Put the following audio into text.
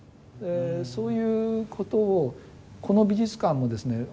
そういうことをこの美術館もですね